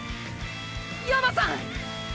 ヤマさん！